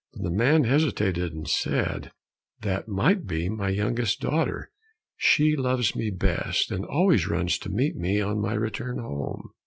But the man hesitated and said, "That might be my youngest daughter, she loves me best, and always runs to meet me on my return home."